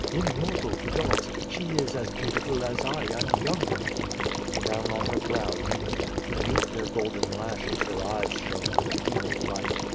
"Immortal gods! She is as beau tiful as I, and younger!^ The frown on her brow deepened. Beneath their golden lashes her eyes shone with an evil light.